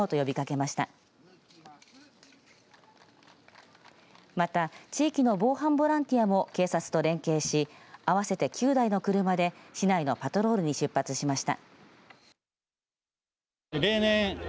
また、地域の防犯ボランティアも警察と連携し合わせて９台の車で市内のパトロールに出発しました。